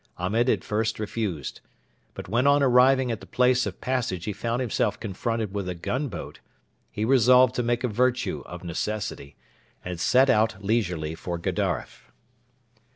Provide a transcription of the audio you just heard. Ahmed at first refused, but when on arriving at the place of passage he found himself confronted with a gunboat, he resolved to make a virtue of necessity and set out leisurely for Gedaref.